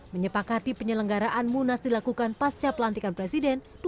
menyepakati penyelenggaraan munas dilakukan pasca pelantikan presiden